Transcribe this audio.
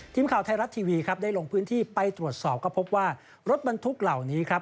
ทีมข่าวไทยรัฐทีวีครับได้ลงพื้นที่ไปตรวจสอบก็พบว่ารถบรรทุกเหล่านี้ครับ